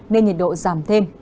nên nhiệt độ giảm thêm